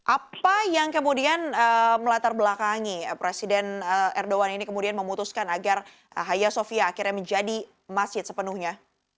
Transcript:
apa yang kemudian melatar belakangi presiden erdogan ini kemudian memutuskan agar haya sofia akhirnya menjadi masjid sepenuhnya